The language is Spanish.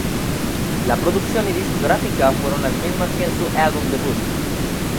La producción y discográfica fueron las mismas que en su álbum debut.